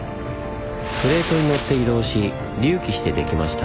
プレートにのって移動し隆起してできました。